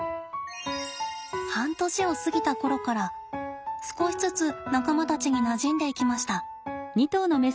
半年を過ぎた頃から少しずつ仲間たちになじんでいきました。